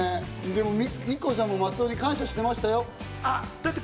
ＩＫＫＯさんも松尾さんに感謝してましたよ。